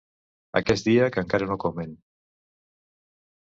Aquest dia que encara no comen